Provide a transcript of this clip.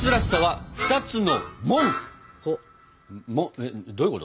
えっどういうこと？